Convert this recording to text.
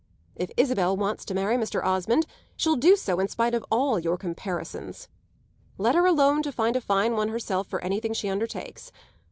If Isabel wants to marry Mr. Osmond she'll do so in spite of all your comparisons. Let her alone to find a fine one herself for anything she undertakes.